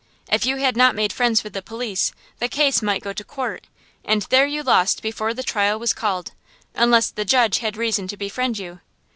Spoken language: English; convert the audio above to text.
If you had not made friends with the police, the case might go to court; and there you lost before the trial was called, unless the judge had reason to befriend you.